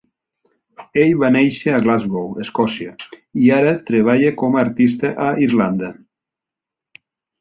Ell va néixer a Glasgow, Escòcia, i ara treballa com a artista a Irlanda.